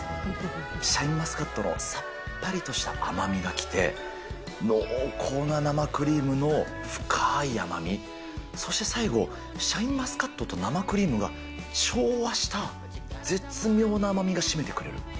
シャインマスカットのさっぱりとした甘みが来て、濃厚な生クリームの深い甘み、そして最後、シャインマスカットと生クリームが調和した絶妙な甘みが締めてくれる。